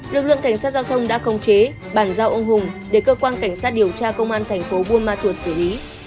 lực lượng cảnh sát giao thông đã công chế bàn giao ông hùng để cơ quan cảnh sát điều tra công an thành phố buôn ma thuột xử lý